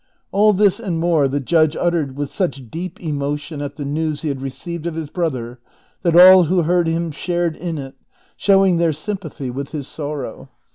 " All this and more the judge uttered with such deep emotion at the news he had received of his brother that all who heard him shared in it, showing their sympathy with his sorrow.